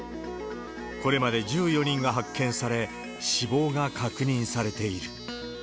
これまで１４人が発見され、死亡が確認されている。